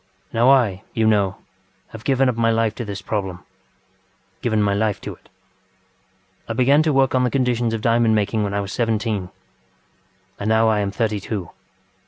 Now I, you know, have given up my life to this problemŌĆögiven my life to it. ŌĆ£I began to work at the conditions of diamond making when I was seventeen, and now I am thirty two.